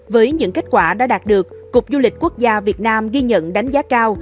với những kết quả đã đạt được cục du lịch quốc gia việt nam ghi nhận đánh giá cao